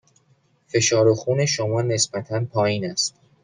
فشار خون شما نسبتاً پایین است.